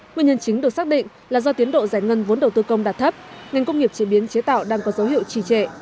nguyên nhân chính được xác định là do tiến độ giải ngân vốn đầu tư công đạt thấp ngành công nghiệp chế biến chế tạo đang có dấu hiệu trì trệ